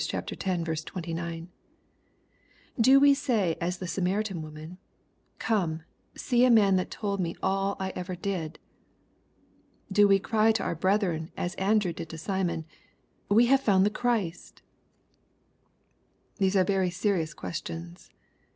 X. 29.) Do we say as the Samaritan woman, ^^ Come, see a man that told me all that ever I did ?" Do we cry to our brethren as Andrew did to Simeon, " We have found the Christ ?"— These are very serious questions.